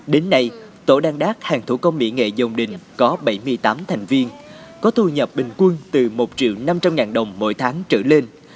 đến nay tổ đăng đác hàng thủ công mỹ nghệ dồn định có bảy mươi tám thành viên có thu nhập bình quân từ một triệu năm trăm linh ngàn đồng mỗi tháng trở lên